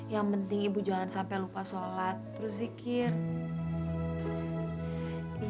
yang penting ibu jangan sampai lupa sholat terus zikir